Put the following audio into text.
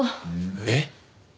えっ？